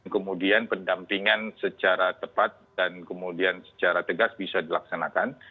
kemudian pendampingan secara tepat dan kemudian secara tegas bisa dilaksanakan